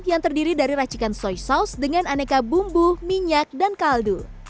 yang terdiri dari racikan soy saus dengan aneka bumbu minyak dan kaldu